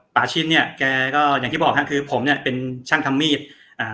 ชินเนี้ยแกก็อย่างที่บอกฮะคือผมเนี้ยเป็นช่างทำมีดอ่า